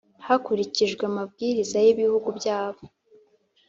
hakurikijwe amabwiriza y'ibihugu byabo,